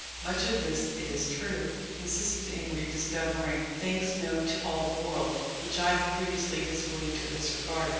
Much of this, it is true, consisted in rediscovering things known to all the world, which I had previously disbelieved or disregarded.